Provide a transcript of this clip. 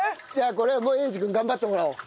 これはもう英二君頑張ってもらおう。